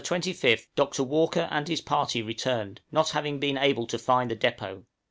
} On the 25th Dr. Walker and his party returned, not having been able to find the depôt.